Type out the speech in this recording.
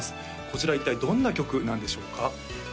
こちらは一体どんな曲なんでしょうか？